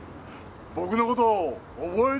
僕のこと覚えてる？